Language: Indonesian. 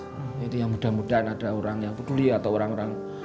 jadi ya mudah mudahan ada orang yang peduli atau orang orang